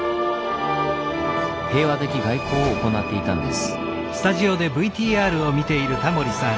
平和的外交を行っていたんです。